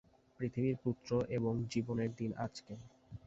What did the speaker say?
পৃথিবীর পুত্র এবং জীবনের দিন আজকে।